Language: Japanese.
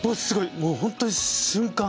もう本当に瞬間。